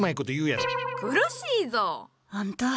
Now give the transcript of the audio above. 苦しいぞ。あんた。